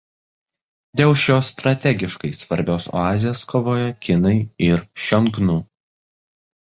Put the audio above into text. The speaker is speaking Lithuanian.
Dėl šios strategiškai svarbios oazės kovojo kinai ir Šiongnu.